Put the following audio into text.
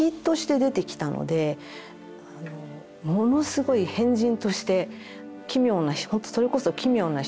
ものすごい変人として奇妙なほんとそれこそ「奇妙な人」。